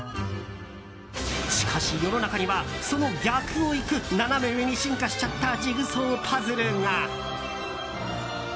しかし、世の中にはその逆をいくナナメ上に進化しちゃったジグソーパズルが。